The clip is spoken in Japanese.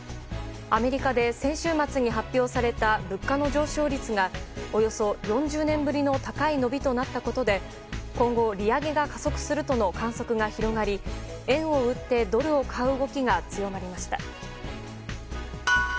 アメリカで先週末に発表された物価の上昇率がおよそ４０年ぶりの高い伸びとなったことで今後、利上げが加速するとの観測が広がり円を売ってドルを買う動きが強まりました。